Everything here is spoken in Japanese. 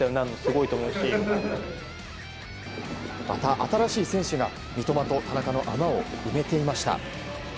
新しい選手が三笘と田中の穴を埋めていました。